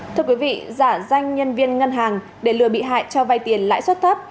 thưa quý vị giả danh nhân viên ngân hàng để lừa bị hại cho vai tiền lãi suất thấp